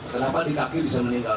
kenapa di kaki bisa meninggal